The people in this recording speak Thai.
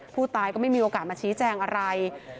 ผู้ตายก็ไม่มีโอกาสมาชี้แจงอะไร